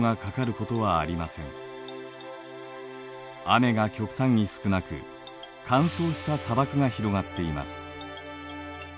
雨が極端に少なく乾燥した砂漠が広がっています。